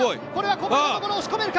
こぼれたところを押し込めるか？